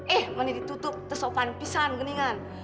eh mana ditutup tersopan pisang keningan